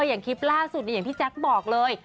อย่างคลิปล่าสุดอย่างพี่แจ๊คบอกเลย